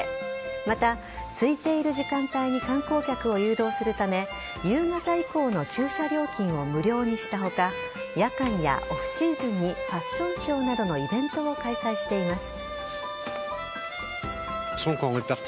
また、すいている時間帯に観光客を誘導するため夕方以降の駐車料金を無料にした他夜間やオフシーズンにファッションショーなどのイベントを開催しています。